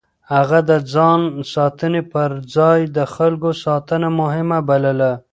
هغه د ځان ساتنې پر ځای د خلکو ساتنه مهمه بلله.